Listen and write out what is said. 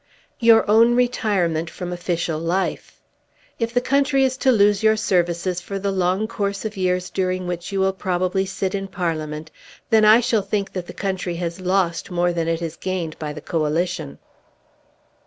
"Your own retirement from official life. If the country is to lose your services for the long course of years during which you will probably sit in Parliament, then I shall think that the country has lost more than it has gained by the Coalition."